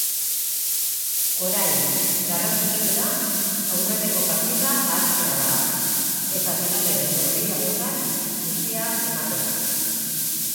Orain, garrantzitsuena aurreneko partida ahaztea da, eta bigarren norgehiagokan guztia ematea.